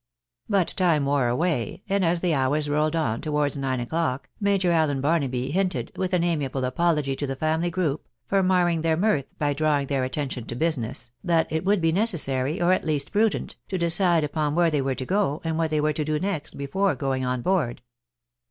But time wore away, and as the hours rolled on towards nine o'clock. Major Allen Barnaby hinted, with an amiable apology to the family group, for marring their mirth by drawing their attention to business, that it would be necessary, or at least prudent, to decide upon where they were to go, and what they were to do next, before going on board.